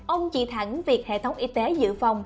ông chỉ thẳng việc hệ thống y tế dự phòng